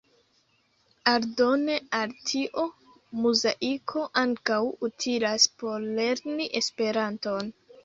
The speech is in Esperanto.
Aldone al tio, Muzaiko ankaŭ utilas por lerni Esperanton.